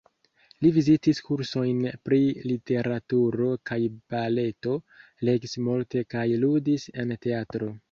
Li vizitis kursojn pri literaturo kaj baleto, legis multe kaj ludis en teatro.